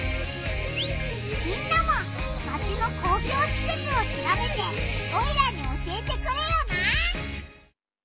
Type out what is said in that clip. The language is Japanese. みんなもマチの公共しせつをしらべてオイラに教えてくれよな！